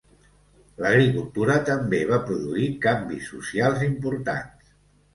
L'agricultura també va produir canvis socials importants.